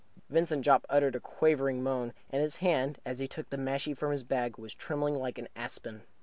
Vincent Jopp uttered a quavering moan, and his hand, as he took the mashie from his bag, was trembling like an aspen.